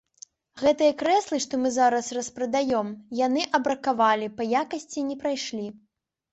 Гэтыя крэслы, што мы зараз распрадаём, яны адбракавалі, па якасці не прайшлі.